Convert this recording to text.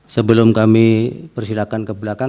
sebelum kami persilahkan ke belakang